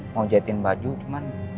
mau jahitin baju cuman